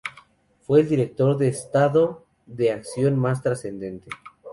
Fue el director de Estado de acción más trascendente.